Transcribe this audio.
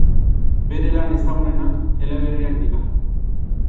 Bere lan ezagunenak eleberriak dira.